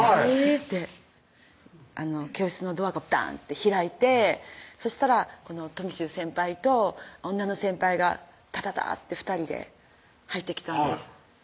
で教室のドアがダンって開いてそしたらとみしゅう先輩と女の先輩がタタタッて２人で入ってきたんです